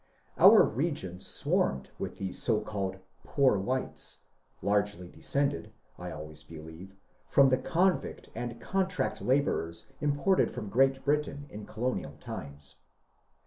Our region swarmed with those called *^poor whites," largely descended, I always believe, from the convict and contract labourers imported from Great Britain in colonial times.